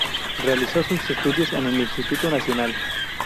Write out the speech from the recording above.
Realizó sus estudios en el Instituto Nacional.